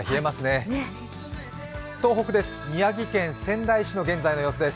東北です、宮城県仙台市の現在の様子です。